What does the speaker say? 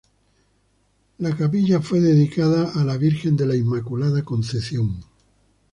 La capilla fue dedicada a la Virgen de la Inmaculada Concepción.